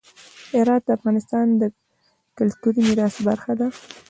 هرات د افغانستان د کلتوري میراث برخه ده.